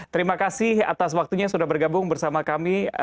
terima kasih atas waktunya sudah bergabung bersama kami